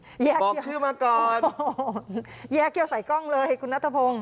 แยกเขี้ยวใส่กล้องเลยคุณนัทธพงศ์แยกเขี้ยวใส่กล้องเลยคุณนัทธพงศ์